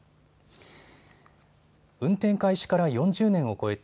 運転開始から４０年を超えた